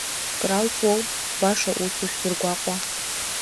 Кралҵуоу, баша усу шәзыргәаҟуа?